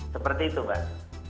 seperti itu mbak